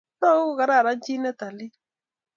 Togu ko kararan chi ne talil